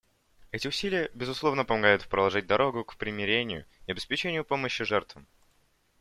Эти усилия, безусловно, помогают проложить дорогу к примирению и обеспечению помощи жертвам.